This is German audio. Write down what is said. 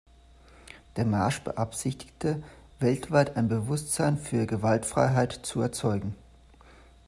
Der Marsch beabsichtigte, weltweit ein Bewusstsein für Gewaltfreiheit zu erzeugen.